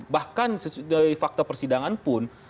bahkan dari fakta persidangan pun